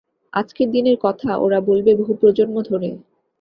আজকের দিনের কথা ওরা বলবে বহু প্রজন্ম ধরে।